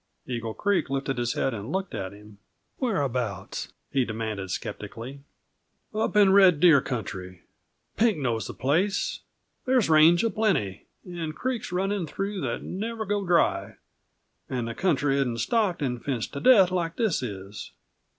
Eagle Creek lifted his head and looked at him "Whereabouts?" he demanded skeptically. "Up in the Red Deer country. Pink knows the place. There's range a plenty, and creeks running through that never go dry; and the country isn't stocked and fenced to death, like this is."